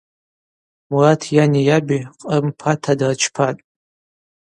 Мурат йани йаби Кърым пата дырчпатӏ.